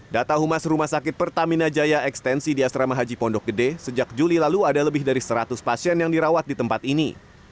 data humas rumah sakit pertamina jaya ekstensi di asrama haji pondok gede sejak juli lalu ada lebih dari seratus pasien yang dirawat di tempat ini